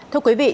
thưa quý vị